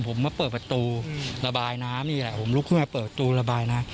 ผมมาเปิดประตูระบายน้ำนี่แหละผมลุกขึ้นมาเปิดประตูระบายน้ำ